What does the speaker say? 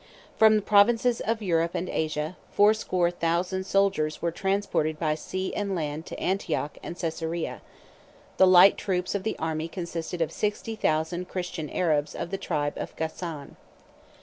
From the provinces of Europe and Asia, fourscore thousand soldiers were transported by sea and land to Antioch and Caesarea: the light troops of the army consisted of sixty thousand Christian Arabs of the tribe of Gassan.